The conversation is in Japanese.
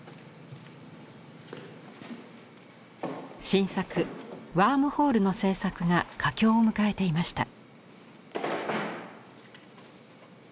新作「ＷＯＲＭＨＯＬＥ」の制作が佳境を迎えていました。